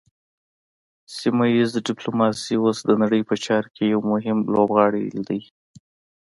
سیمه ایز ډیپلوماسي اوس د نړۍ په چارو کې یو مهم لوبغاړی دی